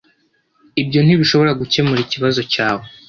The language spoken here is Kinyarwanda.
Ibyo ntibishobora gukemura ikibazo cyawe.